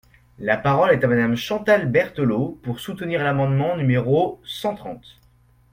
La parole est à Madame Chantal Berthelot, pour soutenir l’amendement numéro cent trente.